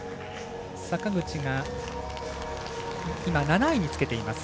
坂口が今、７位につけています。